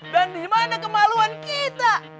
dan dimana kemaluan kita